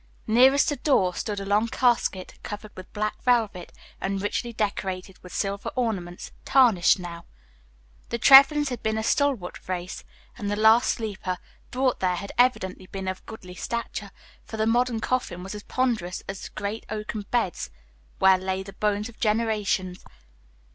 Nearest the door stood a long casket covered with black velvet and richly decorated with silver ornaments, tarnished now. The Trevlyns had been a stalwart race, and the last sleeper brought there had evidently been of goodly stature, for the modern coffin was as ponderous as the great oaken beds where lay the bones of generations.